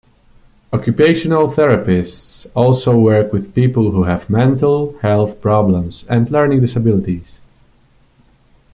Occupational therapists also work with people who have mental health problems and learning disabilities.